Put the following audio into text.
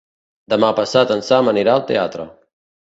Demà passat en Sam anirà al teatre.